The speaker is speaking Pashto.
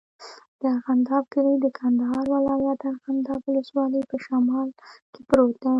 د ارغنداب کلی د کندهار ولایت، ارغنداب ولسوالي په شمال کې پروت دی.